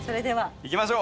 いきましょう。